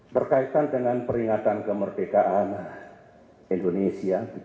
berkaitan dengan peringatan kemerdekaan indonesia